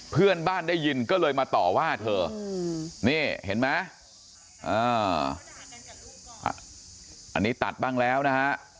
เพื่อนบ้านได้ยินก็เลยมาต่อว่าเธอนี่เห็นไหมอันนี้ตัดบ้างแล้วนะฮะ